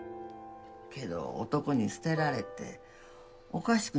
けど男に捨てられておかしくなってしもうて。